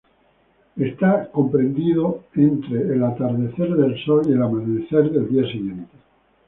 Está comprendido entre el atardecer del Sol y el amanecer del día siguiente.